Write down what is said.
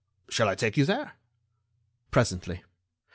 Shall I take you there?" "Presently.